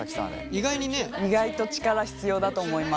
意外と力必要だと思います。